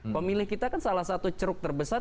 pemilih kita kan salah satu ceruk terbesar